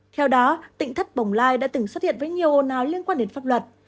theo đó tịnh thất bổng lai đã từng xuất hiện với nhiều hồn áo liên quan đến pháp luật